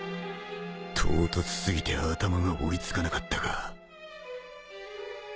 唐突すぎて頭が追い付かなかったが